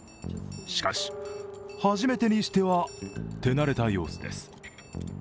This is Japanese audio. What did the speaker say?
しかし、初めてにしては手慣れた様子です。